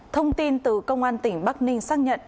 thông tin từ công an tỉnh bắc ninh xác nhận